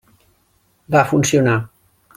Va funcionar.